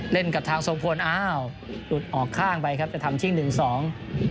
เล่นกับทางสงสมอนอาวอาวอยู่ออกข้างไปครับจะทำเชี่ยง๑๒